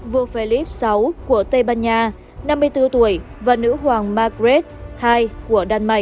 vua philip vi của tây ban nha năm mươi bốn tuổi và nữ hoàng margaret ii của đà lạt